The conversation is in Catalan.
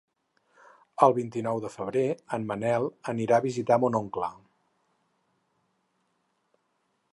El vint-i-nou de febrer en Manel anirà a visitar mon oncle.